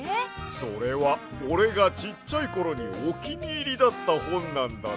それはおれがちっちゃいころにおきにいりだったほんなんだで。